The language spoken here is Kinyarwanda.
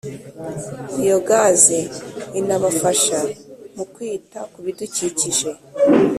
Biyogazi inabafasha mu kwita ku bidukikije